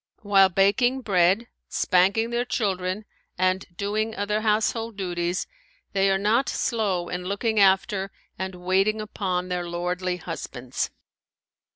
While baking bread, spanking their children and doing other household duties, they are not slow in looking after and waiting upon their lordly husbands.